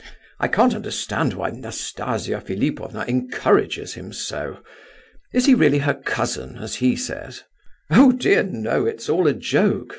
I can't understand why Nastasia Philipovna encourages him so. Is he really her cousin, as he says?" "Oh dear no, it's all a joke.